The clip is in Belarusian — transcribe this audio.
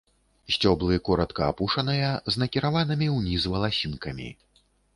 Сцёблы коратка апушаныя з накіраванымі ўніз валасінкамі.